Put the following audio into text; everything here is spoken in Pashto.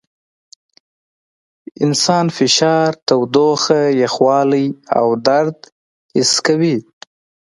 انسان فشار، تودوخه، یخوالي او درد حس کوي.